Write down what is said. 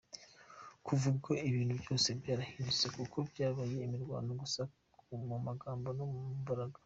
Kuva ubwo ibintu byose byarabirindutse kuko byabaye imirwano gusa, mu magambo no mu mbaraga.